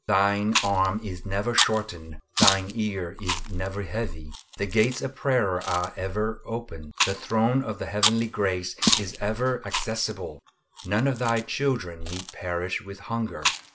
Thine arm is never shortened, Thine ear is never heavy. The gates of prayer are ever open. The Throne of the Heavenly Grace is ever accessible, none of Thy children need perish with hunger!